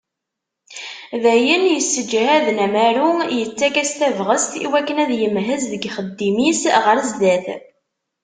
D ayen yesseǧhaden amaru, yettak-as tabɣest i wakken ad yemhez deg yixeddim-is ɣer sdat.